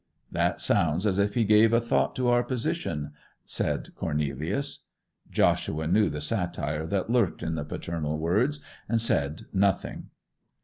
'That sounds as if he gave a thought to our position,' said Cornelius. Joshua knew the satire that lurked in the paternal words, and said nothing.